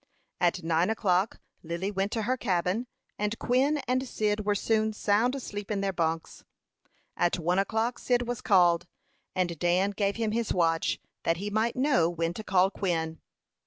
At nine o'clock Lily went to her cabin, and Quin and Cyd were soon sound asleep in their bunks. At one o'clock Cyd was called, and Dan gave him his watch, that he might know when to call Quin.